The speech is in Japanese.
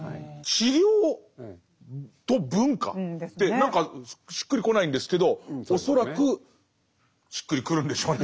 何かしっくりこないんですけど恐らくしっくりくるんでしょうね